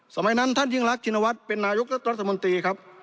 สมัยนั้นท่านยิ่งรักชินวัฒน์เป็นนายกรัฐมนตรีครับ